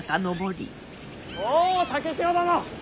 おう竹千代殿！